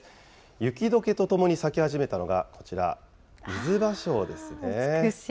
雪どけとともに咲き始めたのがこちら、ミズバショウですね。